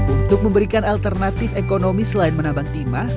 untuk memberikan alternatif ekonomi selain menabang timah